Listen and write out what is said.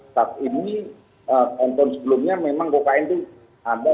tapi ini konten sebelumnya memang kokain itu ada